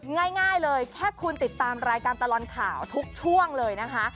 ง่ายเลยแค่คุณติดตามรายการตลอดข่าวทุกช่วงเลยนะคะ